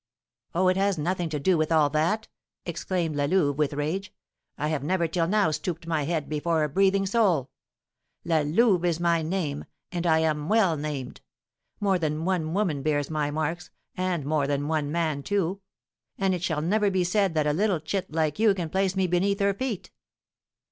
"Oh, it has nothing to do with all that," exclaimed La Louve, with rage. "I have never till now stooped my head before a breathing soul. La Louve is my name, and I am well named: more than one woman bears my marks, and more than one man, too; and it shall never be said that a little chit like you can place me beneath her feet."